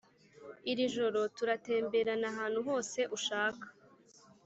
iri joro turatemberana ahantu hose ushaka